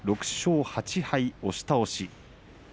６勝８敗、押し倒し。